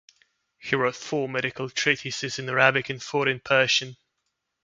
He wrote four medical treatises in Arabic and four in Persian.